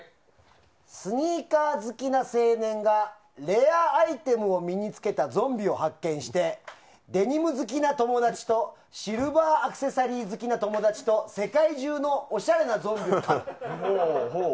スニーカー好きな青年がレアアイテムを身につけたゾンビを発見してデニム好きな友達とシルバーアクセサリー好きな友達と世界中のオシャレなゾンビを狩る。